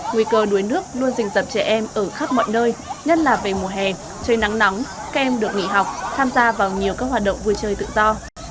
nguy cơ đuối nước luôn rình dập trẻ em ở khắp mọi nơi nhất là về mùa hè trời nắng nóng các em được nghỉ học tham gia vào nhiều các hoạt động vui chơi tự do